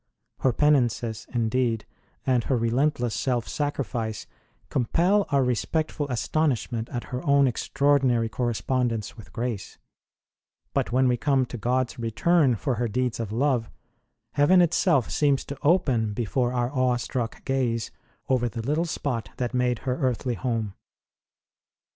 Her penances, indeed, and her relentless self sacrifice, compel our respectful astonishment at her own extra ordinary correspondence with grace, but when 149 150 ST. ROSE OF LIMA we come to God s return for her deeds of love, heaven itself seems to open before our awe struck gaze over the little spot that made her earthly home.